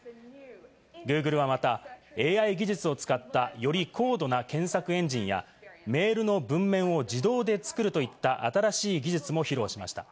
ＧｏｏｇｌｅはまたＡＩ技術を使ったより高度な検索エンジンやメールの文面を自動で作るといった新しい技術も披露しました。